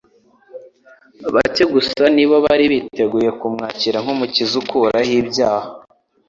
Bake gusa ni bo bari biteguye kumwakira nk'Umukiza ukuraho ibyaha.